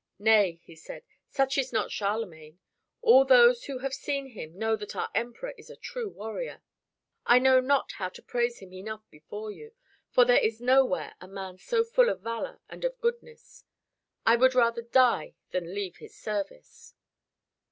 "Nay," he said, "such is not Charlemagne. All those who have seen him know that our Emperor is a true warrior. I know not how to praise him enough before you, for there is nowhere a man so full of valor and of goodness. I would rather die than leave his service."